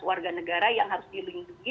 warga negara yang harus dilindungi